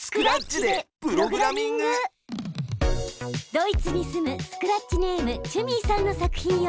ドイツに住むスクラッチネームＣｈｕｍｉｅさんの作品よ。